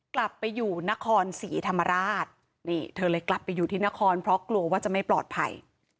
กลับไปอยู่นครศรีธรรมราชนี่เธอเลยกลับไปอยู่ที่นครเพราะกลัวว่าจะไม่ปลอดภัย